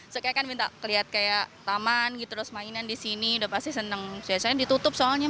sekalikan minta lihat kayak taman gita terus mainan di sini udah pasti seneng saya ditutup soalnya